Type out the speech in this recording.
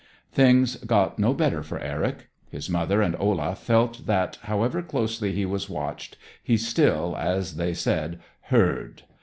Things got no better for Eric. His mother and Olaf felt that, however closely he was watched, he still, as they said, "heard."